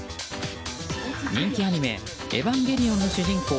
人気アニメ「エヴァンゲリオン」の主人公